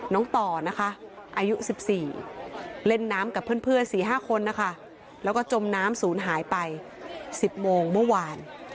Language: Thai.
ต่อนะคะอายุ๑๔เล่นน้ำกับเพื่อน๔๕คนนะคะแล้วก็จมน้ำศูนย์หายไป๑๐โมงเมื่อวาน